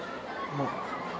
もう。